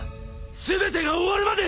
全てが終わるまで！